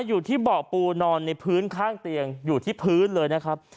อยู่ที่เบาะปูนอนในพื้นข้างเตียงอยู่ที่พื้นเลยนะครับ